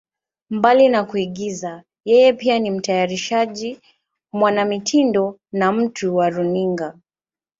Mbali na kuigiza, yeye pia ni mtayarishaji, mwanamitindo na mtu wa runinga.